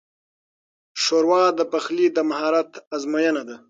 ښوروا د پخلي د مهارت ازموینه ده.